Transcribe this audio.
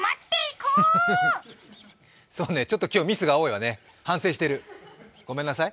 そうね、ちょっと今日はミスが多いわね反省してる、ごめんなさい。